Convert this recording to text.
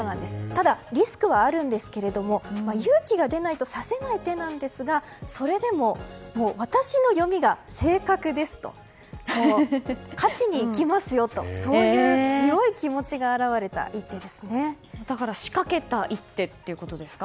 ただ、リスクはあるんですけども勇気が出ないと指せない手なんですが私の読みが正確ですと勝ちに行きますよと強い気持ちが表れた仕掛けた一手ということですか。